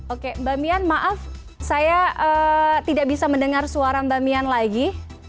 oke mbak mian maaf saya tidak bisa mendengar suara mbak mian lagi